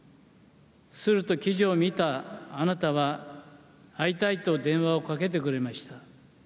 すると、記事を見たあなたは会いたいと電話をかけてくれました。